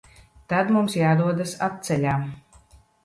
Tad mums jādodas atceļā.